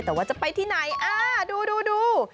แต่ว่าจะไปที่ไหนดู